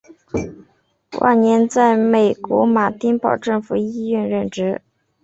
晚年在美国马丁堡政府医院任职。